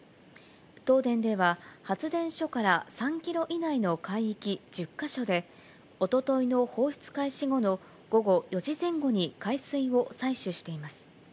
東電では発電所から３キロ以内の海域１０か所で、おとといの放出開始後の午後４時前後に海水を採取しています。